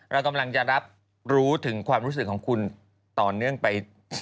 เรากำลังจะรับรู้ถึงความรู้สึกของคุณต่อเนื่องไป